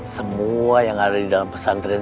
semua yang ada di dalam pesantren